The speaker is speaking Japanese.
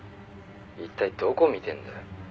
「一体どこ見てんだよ」